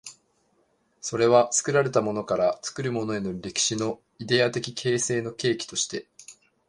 それは作られたものから作るものへという歴史のイデヤ的形成の契機として、